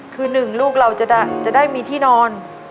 คือหนึ่งลูกเราจะได้มีที่นอน